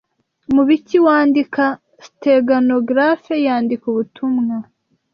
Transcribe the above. Mubiki wandika steganographe yandika ubutumwa